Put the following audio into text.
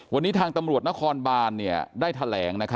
วันนี้ทางตำรวจนครบานได้แถลง